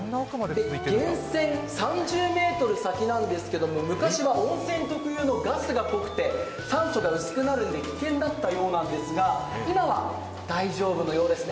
源泉、３０ｍ先なんですけれども、昔は温泉特有のガスが濃くて酸素が薄くなるので危険だったようなんですが、今は大丈夫のようです。